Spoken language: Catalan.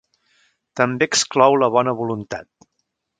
També exclou la bona voluntat.